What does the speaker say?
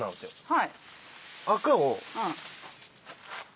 はい。